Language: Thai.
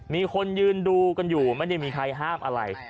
มีคนยืนดูกันอยู่ไม่ได้มีใครห้ามอะไร